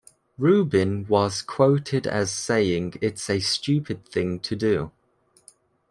Rubin was quoted as saying It's a stupid thing to do.